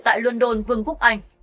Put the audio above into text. tại london vương quốc anh